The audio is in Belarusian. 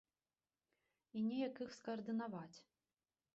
І неяк іх скаардынаваць.